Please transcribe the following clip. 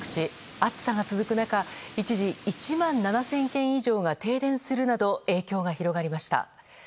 暑さが続く中一時１万７０００軒以上が停電するなど影響が広がりました。